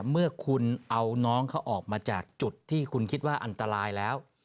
เมื่อคุณเอาน้องเขาออกมาจากจุดที่คุณคิดว่าอันตรายแล้ว